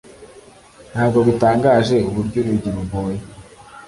ntabwo bitangaje uburyo urugi rugoye,